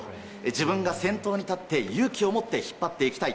自分が先頭に立って勇気を持って引っ張っていきたい。